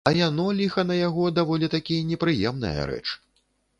А яно, ліха на яго, даволі такі непрыемная рэч.